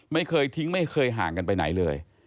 ไม่เคยทิ้งไม่เคยห่างกันไปไหนเลย